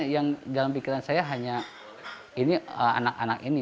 yang dalam pikiran saya hanya ini anak anak ini